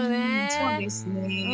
そうですね。